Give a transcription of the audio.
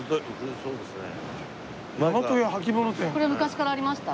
これ昔からありました？